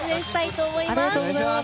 ありがとうございます。